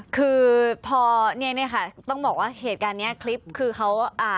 คือต้องบอกว่าเหตุการณ์นี้คลิปคือเขา